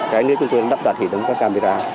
cái nơi chúng tôi đắp đặt hệ thống camera